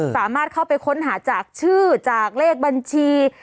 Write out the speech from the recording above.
สามารถเข้าไปค้นหาจากชื่อจากเลขบัญชี